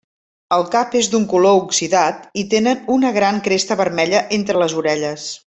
El cap és d'un color oxidat i tenen una gran cresta vermella entre les orelles.